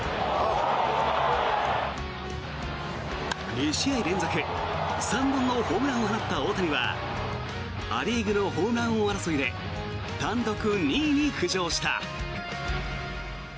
２試合連続３本のホームランを放った大谷はア・リーグのホームラン王争いで単独２位に浮上した。